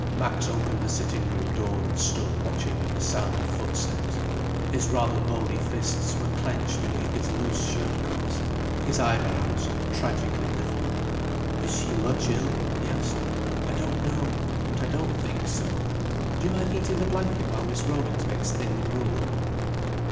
Max opened the sitting room door and stood watching at the sound of footsteps. His rather bony fists were clenched beneath his loose shirt cuffs, his eyebrows tragically lifted. "Is she much ill?" he asked. "I don't know. But I don't think so. Do you mind heating the blanket while Mrs. Rollings makes thin gruel?"